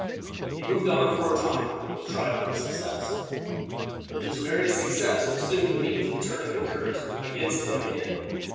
He moved on for a time with triumphant success; but this very success was soon the means of turning the current against him again.